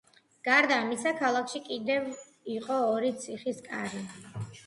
გარდა ამისა, ქალაქში კიდევ იყო ორი „ციხის კარი“.